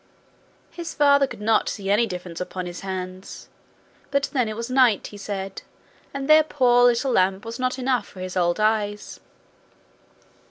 His father could not see any difference upon his hands, but then it was night, he said, and their poor little lamp was not enough for his old eyes.